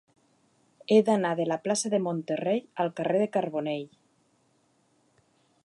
He d'anar de la plaça de Monterrey al carrer de Carbonell.